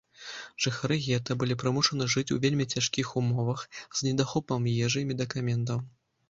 Жыхары гета былі прымушаны жыць у вельмі цяжкіх умовах, з недахопам ежы і медыкаментаў.